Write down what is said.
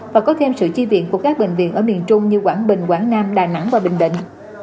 và có thêm sự chi viện của các bệnh viện ở miền trung như quảng bình quảng nam đà nẵng và bình định